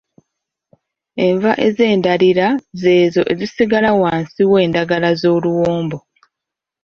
Enva ez’endalira ze ezo ezisigalira wansi w’endagala z’oluwombo.